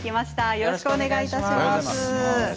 よろしくお願いします。